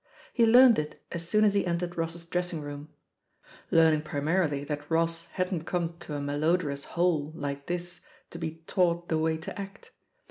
He learnt it as soon as he entered Boss's dressing room— learning primarOy that Ross hadn't come to a malodorous hole like this to be taught the way to act.